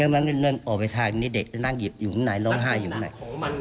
มันก็เดินออกไปทางนี้เด็กนั่งหยิบอยู่ไหนร้องไห้อยู่ไหน